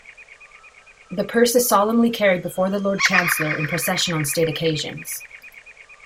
The purse is solemnly carried before the Lord Chancellor in procession on State occasions.